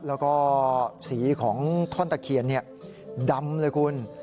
แล้วก็สีของท่อนตะเคียนดำเลยคุณ